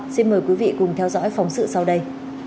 xin mời quý vị cùng theo dõi phóng sự sau đây